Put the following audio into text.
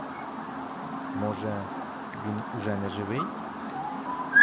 Може, він уже неживий?